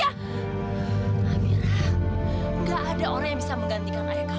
amirah enggak ada orang yang bisa menggantikan ayah kamu